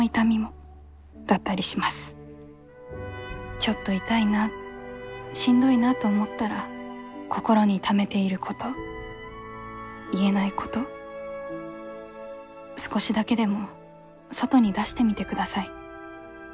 ちょっと痛いなしんどいなと思ったら心にためていること言えないこと少しだけでも外に出してみてください。